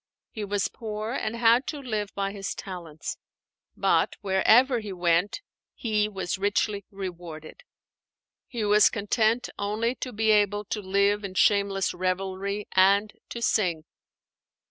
He was poor and had to live by his talents. But wherever he went he was richly rewarded. He was content only to be able to live in shameless revelry and to sing.